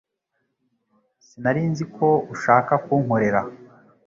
Sinari nzi ko ushaka kunkorera